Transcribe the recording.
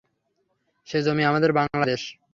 সে জমি আমাদের বাঙলা দেশ।